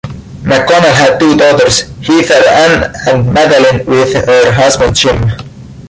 McConnell had two daughters Heather Ann and Madelyn with her husband Jim.